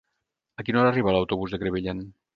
A quina hora arriba l'autobús de Crevillent?